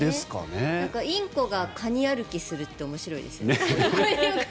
インコがカニ歩きするって面白いですね。